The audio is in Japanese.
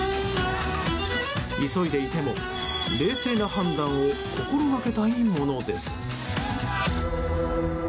急いでいても冷静な判断を心がけたいものです。